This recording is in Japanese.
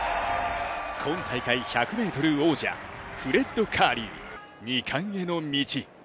今大会１００ｍ王者、フレッド・カーリー、２冠への道。